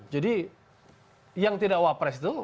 jadi yang tidak wapres itu